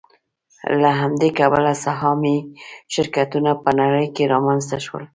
له همدې کبله سهامي شرکتونه په نړۍ کې رامنځته شول